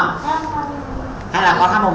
bây giờ thầy biết con hát được không